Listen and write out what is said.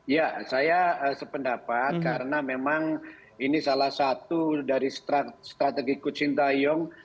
ya saya sependapat karena memang ini salah satu dari strategi coach sintayong